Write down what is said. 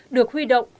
được huy động và giúp đỡ